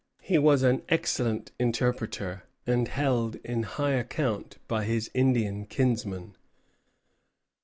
He was an excellent interpreter, and held in high account by his Indian kinsmen.